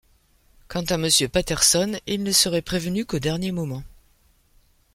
Quant à Monsieur Patterson, il ne serait prévenu qu’au dernier moment.